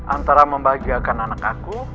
antara membahagiakan anak aku